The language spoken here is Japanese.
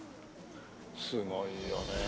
すごいよねえ